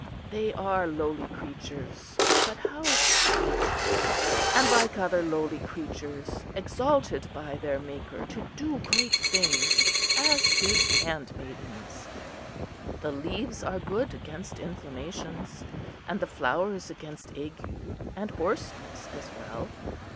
They are lowly creatures; but how sweet! and like other lowly creatures exalted by their Maker to do great things as his handmaidens. The leaves are good against inflammations, and the flowers against ague and hoarseness as well.